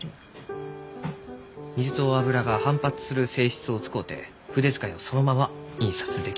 水と油が反発する性質を使うて筆遣いをそのまま印刷できる。